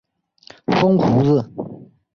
风胡子。